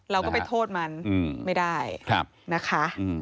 เราก็ไปโทษมันไม่ได้นะคะ